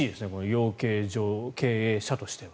養鶏場の経営者としては。